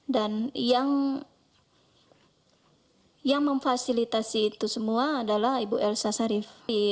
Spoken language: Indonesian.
dan yang memfasilitasi itu semua adalah ibu elsa sharif